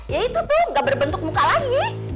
ya itu tuh gak berbentuk muka lagi